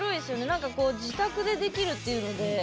何かこう自宅でできるっていうので。